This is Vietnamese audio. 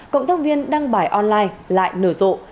cộng tác viên đăng bài online lại nở rộ